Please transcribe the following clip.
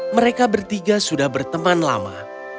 mereka bertiga sudah berteman lama